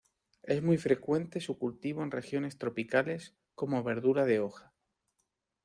Es muy frecuente su cultivo en regiones tropicales como verdura de hoja.